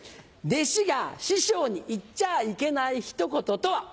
弟子が師匠に言っちゃいけないひと言とは？